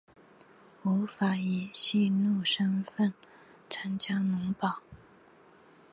无法以佃农身分参加农保